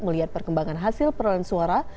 melihat perkembangan hasil perolehan suara